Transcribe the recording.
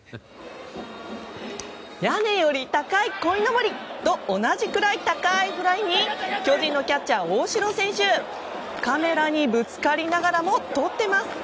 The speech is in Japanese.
屋根より高いこいのぼりと同じくらい高いフライに巨人のキャッチャー大城選手カメラにぶつかりながらもとっています！